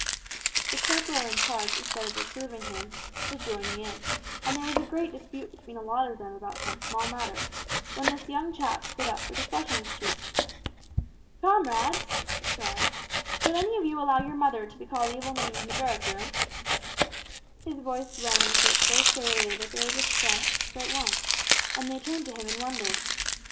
The corporal in charge instead of reproving him, was joining in, and there was a great dispute between a lot of them about some small matter, when this young chap stood up with a flush on his cheeks. 'Comrades,' he cried; 'would any of you allow your mother to be called evil names in the barrack room?' His voice rang put so clearly that there was a hush at once, and they turned to him in wonder.